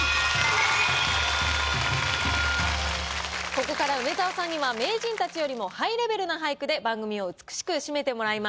ここから梅沢さんには名人たちよりもハイレベルな俳句で番組を美しく締めてもらいます。